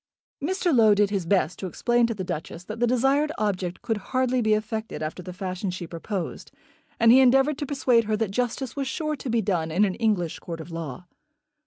Mr. Low did his best to explain to the Duchess that the desired object could hardly be effected after the fashion she proposed, and he endeavoured to persuade her that justice was sure to be done in an English court of law.